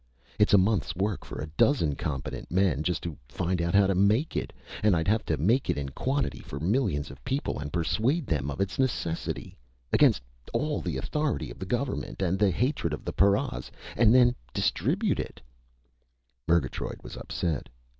It's a month's work for a dozen competent men just to find out how to make it, and I'd have to make it in quantity for millions of people and persuade them of its necessity against all the authority of the government and the hatred of the paras, and then distribute it " Murgatroyd was upset.